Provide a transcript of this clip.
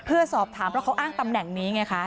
เพื่อสอบถามเพราะเขาอ้างตำแหน่งนี้ไงคะ